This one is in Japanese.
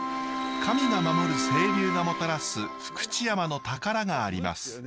神が守る清流がもたらす福知山の宝があります。